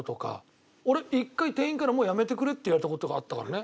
俺一回店員からもうやめてくれって言われた事があったからね。